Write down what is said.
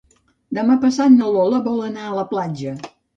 Demà passat na Lola vol anar a la platja.